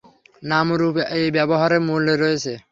নাম ও রূপ এই ব্যবহারের মূলে রয়েছে।